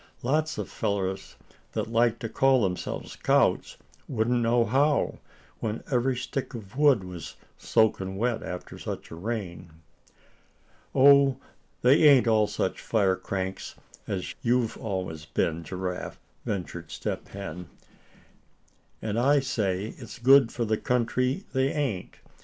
Lots of fellers that like to call themselves scouts wouldn't know how, when every stick of wood was soaking wet after such a rain." "Oh! they ain't all such fire cranks as you've always been, Giraffe," ventured Step Hen. "And I say it's good for the country they ain't.